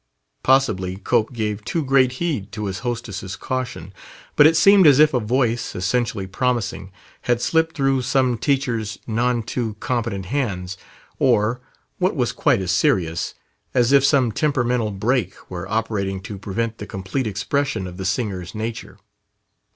Possibly Cope gave too great heed to his hostess' caution; but it seemed as if a voice essentially promising had slipped through some teacher's none too competent hands, or what was quite as serious as if some temperamental brake were operating to prevent the complete expression of the singer's nature.